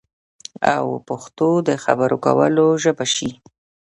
او پښتو د خبرو کولو ژبه شي